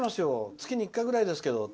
月に１回ぐらいですけどって。